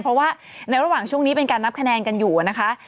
เพราะว่าในระหว่างช่วงนี้เป็นการนับคะแนนกันอยู่นะคะ